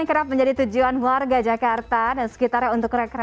selamat malam mas dirwono